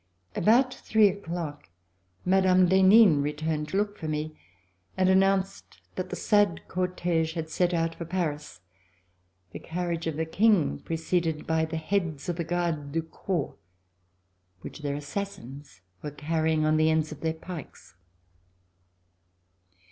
About three o'clock Mme. d'Henin returned to look for me and announced that the sad cortege had set out for Paris, the carriage of the King preceded by the heads of the Gardes du Corps, which their assassins were carrying on the ends of their pikes.